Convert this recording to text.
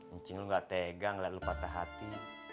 encing lu gak tega gak lu patah hati